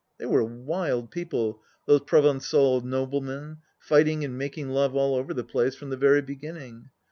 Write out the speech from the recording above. They were wild people, those Provencal noblemen, fighting and making love all over the place, from the very beginning.